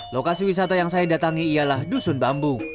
lokasi wisata yang saya datangi ialah dusun bambu